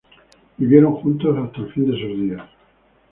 Vivieron juntos hasta el fin de sus días.